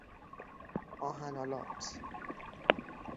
آهن آلات